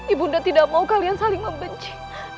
ibunda tidak mau kalian saling membenci